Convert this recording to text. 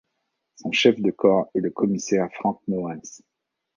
Son chef de corps est le commissaire Frank Noens.